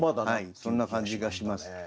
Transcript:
そんな感じがします。